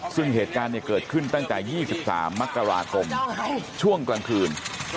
ซึ่งเหตุการณ์เกิดขึ้นตั้งแต่๒๓มกราคมช่วงกลางคืน